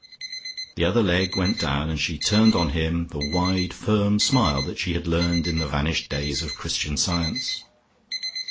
The other leg went down, and she turned on him the wide firm smile that she had learned in the vanished days of Christian Science.